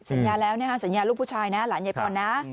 สัญญาแล้วนะฮะสัญญาลูกผู้ชายนะหลานยายพรนะ